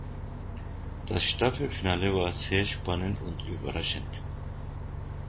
Das Staffelfinale war sehr spannend und überraschend.